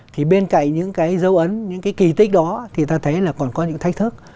thì bên cạnh những cái dấu ấn những cái kỳ tích đó thì ta thấy là còn có những thách thức